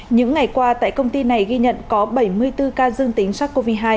những ngày qua tại công ty này ghi nhận có bảy mươi bốn ca dương tính sars cov hai